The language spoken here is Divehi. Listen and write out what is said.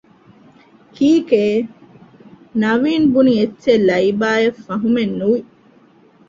ކީކޭ؟ ނަވީން ބުނި އެއްޗެއް ލައިބާއަށް ފަހުމެއް ނުވި